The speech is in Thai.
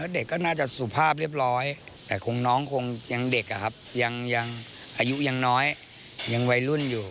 เด็กก็น่าจะสุภาพเรียบร้อยแต่คงน้องคงอายุยังน้อยยังวัยลุ่นอยู่